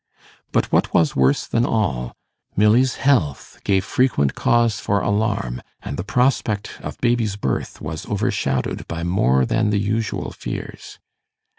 But what was worse than all, Milly's health gave frequent cause for alarm, and the prospect of baby's birth was overshadowed by more than the usual fears.